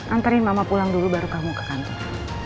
anterin mama pulang dulu baru kamu ke kantor